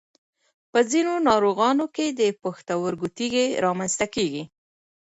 په ځینو ناروغانو کې د پښتورګو تېږې رامنځته کېږي.